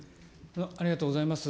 ありがとうございます。